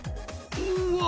うわ！